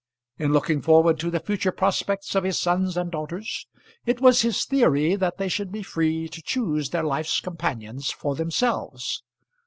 In looking forward to the future prospects of his sons and daughters it was his theory that they should be free to choose their life's companions for themselves.